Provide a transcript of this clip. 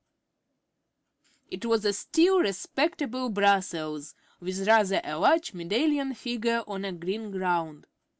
It was a still respectable Brussels, with rather a large medallion figure on a green ground.